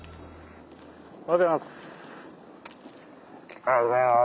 おはようございます。